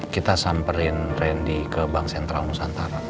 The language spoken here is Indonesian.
kita samperin randy ke bank sentral nusantara